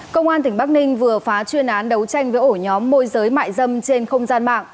công an tỉnh bắc ninh vừa phá chuyên án đấu tranh với ổ nhóm môi giới mại dâm trên không gian mạng